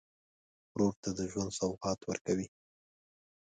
ورور ته د ژوند سوغات ورکوې.